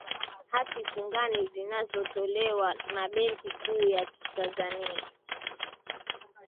hati fungani zinatolewa na benki kuu ya tanzania